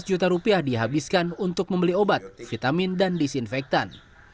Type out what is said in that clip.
lima belas juta rupiah dihabiskan untuk membeli obat vitamin dan disinfektan